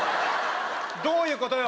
どういうことよ？